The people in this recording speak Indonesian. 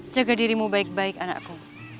jaga dirimu baik baik anakku